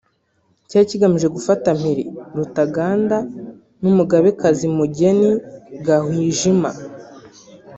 cyari kigamije gufata mpiri Rutaganda n’Umugabekazi Mugeni Gahwijima